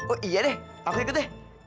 oh iya deh aku ikut deh